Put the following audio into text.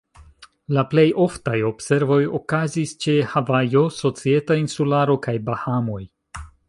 La plej oftaj observoj okazis ĉe Havajo, Societa Insularo, kaj Bahamoj.